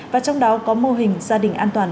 và trong đó có mô hình gia đình an toàn